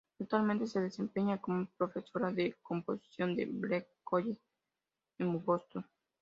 Actualmente se desempeña como profesora de composición en Berklee College of Music en Boston.